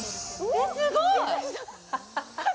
えっすごい！